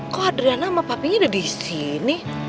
kok adriana sama papinya ada di sini